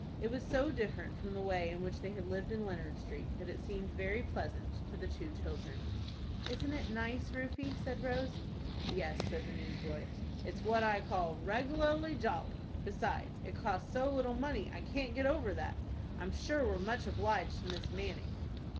It was so different from the way in which they had lived in Leonard Street, that it seemed very pleasant to the two children. "Isn't it nice, Rufie?" said Rose. "Yes," said the newsboy. "It's what I call reg'larly jolly. Besides, it cost so little money, I can't get over that. I'm sure we're much obliged to Miss Manning."